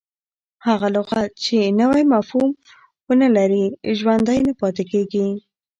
هغه لغت، چي نوی مفهوم و نه لري، ژوندی نه پاته کیږي.